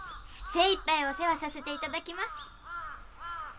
精いっぱいお世話させて頂きます。